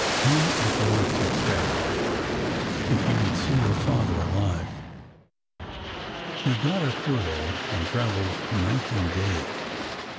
Come at once," it said, '' if you would see youf father alive." DAVID— 237 He got a furlough and traveled night and day.